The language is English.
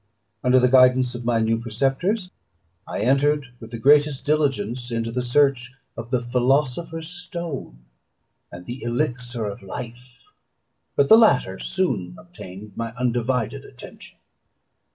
Under the guidance of my new preceptors, I entered with the greatest diligence into the search of the philosopher's stone and the elixir of life; but the latter soon obtained my undivided attention.